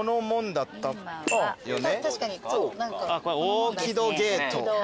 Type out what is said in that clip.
大木戸ゲート。